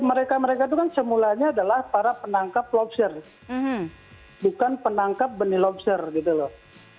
mereka itu kan semulanya adalah para penangkap lobster bukan penangkap benih lobster